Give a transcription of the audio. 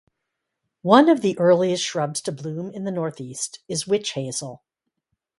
One of the earliest shrubs to bloom in the Northeast is witch hazel.